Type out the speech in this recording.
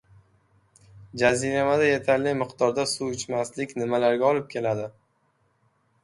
Jaziramada yetarli miqdorda suv ichmaslik nimalarga olib keladi?